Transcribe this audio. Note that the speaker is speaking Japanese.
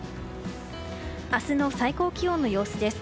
明日の最高気温の予想です。